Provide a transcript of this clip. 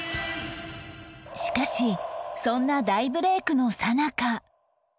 しかしそんな大ブレイクのさなか